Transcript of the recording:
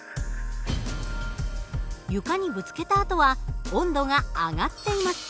床にぶつけた後は温度が上がっています。